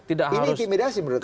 ini intimidasi menurut anda